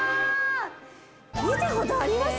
見たことあります？